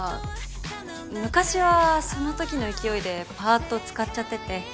昔はそのときの勢いでぱっと使っちゃってて。